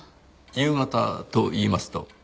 夕方といいますと？